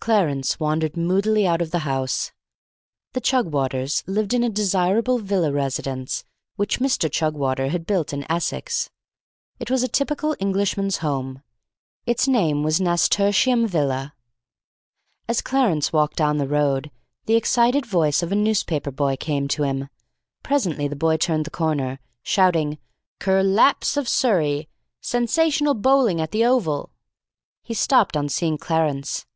Clarence wandered moodily out of the house. The Chugwaters lived in a desirable villa residence, which Mr. Chugwater had built in Essex. It was a typical Englishman's Home. Its name was Nasturtium Villa. As Clarence walked down the road, the excited voice of a newspaper boy came to him. Presently the boy turned the corner, shouting, "Ker lapse of Surrey! Sensational bowling at the Oval!" He stopped on seeing Clarence.